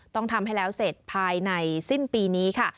ต้องทำให้แล้วเสร็จภายในสิ้นปีนี้ค่ะ